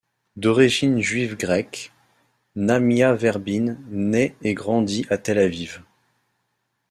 D'origine juive grecque, Nahmias-Verbin naît et grandit à Tel Aviv.